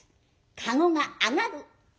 駕籠が上がる。